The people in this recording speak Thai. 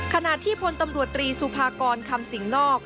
ขณะที่พลตำรวจตรีสุภากรคำสิงนอก